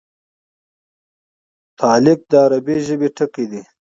تعلیق د عربي ژبي ټکی دﺉ.